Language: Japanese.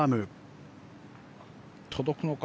届くのか。